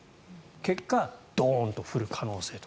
結果、ドーンと降る可能性と。